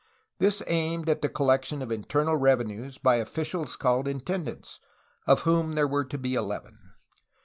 This aimed at the collection of internal revenues by officials called intendants, of whom there were to be eleven.